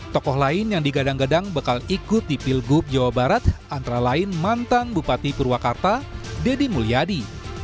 tokoh lain yang digadang gadang bakal ikut di pilgub jawa barat antara lain mantan bupati purwakarta deddy mulyadi